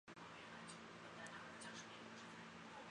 昂格拉尔圣费利人口变化图示